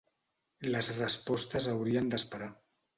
Les respostes haurien d’esperar.